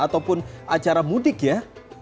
ataupun acara mudik ya